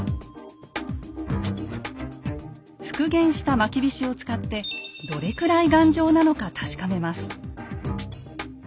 復元したまきびしを使ってどれくらい頑丈なのか確かめます。